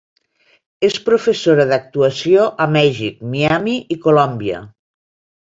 És professora d'actuació a Mèxic, Miami i Colòmbia.